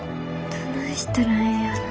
どないしたらええんやろ。